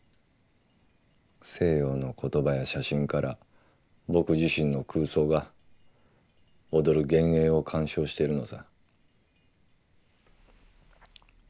西洋の言葉や写真から僕自身の空想が踊る幻影を鑑賞しているのさ。